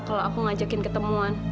kalau aku ngajakin ketemuan